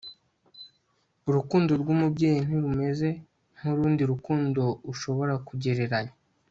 urukundo rwumubyeyi ntirumeze nkurundi rukundo ushobora kugereranya